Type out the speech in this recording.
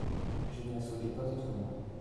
Je ne la souhaitais pas autrement.